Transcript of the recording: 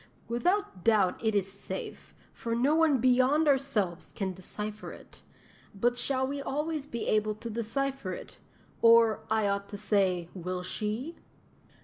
Without doubt it is safe, for no one beyond ourselves can decipher it; but shall we always be able to decipher it or, I ought to say, will she?"